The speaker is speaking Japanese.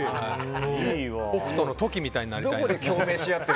「北斗」のトキみたいになりたくて。